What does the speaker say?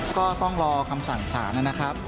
ก็ต้องรอคำสั่งสารนะครับ